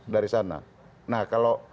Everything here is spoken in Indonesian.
dari sana nah kalau